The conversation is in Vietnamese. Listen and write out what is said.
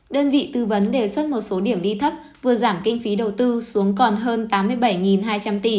đơn vị tư vấn đề xuất một số điểm đi thấp vừa giảm kinh phí đầu tư xuống còn hơn tám mươi bảy hai trăm linh tỷ